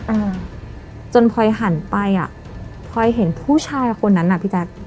อ่าจนพลอยหันไปอ่ะพลอยเห็นผู้ชายคนนั้นอ่ะพี่แจ๊ค